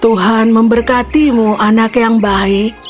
tuhan memberkatimu anak yang baik